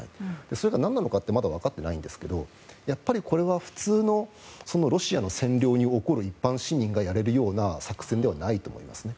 それが何なのかってまだわかっていないんですがこれは普通のロシアの占領に怒る一般市民がやれるような作戦ではないと思いますね。